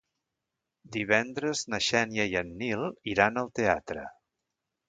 Divendres na Xènia i en Nil iran al teatre.